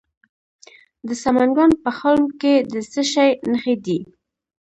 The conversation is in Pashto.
د سمنګان په خلم کې د څه شي نښې دي؟